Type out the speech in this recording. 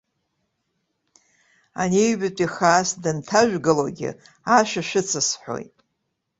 Ани аҩбатәи хаас данҭажәгалогьы ашәа шәыцысҳәоит.